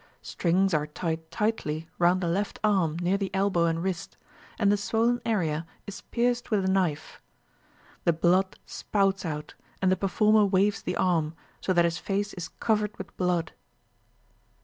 Strings are tied tightly round the left arm near the elbow and wrist, and the swollen area is pierced with a knife. The blood spouts out, and the performer waves the arm, so that his face is covered with blood.